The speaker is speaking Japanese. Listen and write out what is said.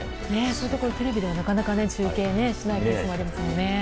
そういうところテレビではなかなか中継しないですもんね。